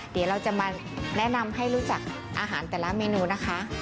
เดี๋ยวเราจะมาแนะนำให้รู้จักอาหารแต่ละเมนูนะคะ